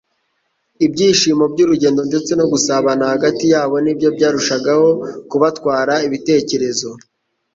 ibyishimo by'urugendo ndetse no gusabana hagati yabo nibyo barushagaho kubatwara ibitekerezo